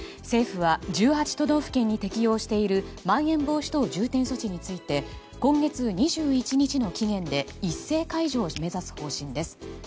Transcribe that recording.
政府は１８都道府県に適用しているまん延防止等重点措置について今月２１日の期限で一斉解除を目指す方針です。